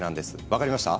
分かりました？